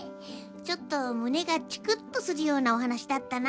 ちょっとむねがチクッとするようなお話だったな。